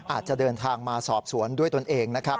อาจจะเดินทางมาสอบสวนด้วยตนเองนะครับ